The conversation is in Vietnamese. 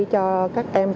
cho các đại học